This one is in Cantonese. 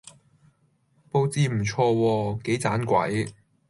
佈置唔錯喎！幾盞鬼